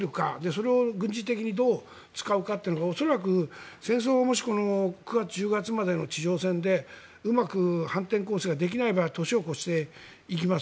それを軍事的にどう使うかが恐らく、戦争がもし９月、１０月までの地上戦でうまく反転攻勢できない場合は年を越していきます。